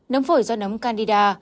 nấm phổi do nấm candida